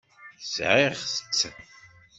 Sɛiɣ-tt.